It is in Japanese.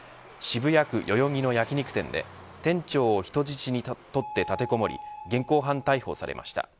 渋谷区代々木の焼き肉店で店長を人質にとって立てこもり現行犯逮捕されました。